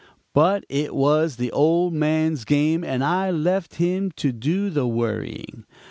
But it was the old man's game and I left him to do the worrying.